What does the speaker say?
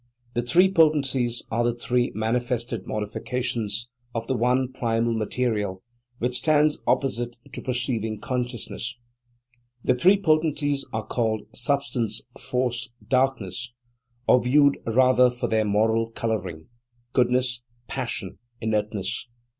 The Three Potencies are the three manifested modifications of the one primal material, which stands opposite to perceiving consciousness. These Three Potencies are called Substance, Force, Darkness; or viewed rather for their moral colouring, Goodness, Passion, Inertness.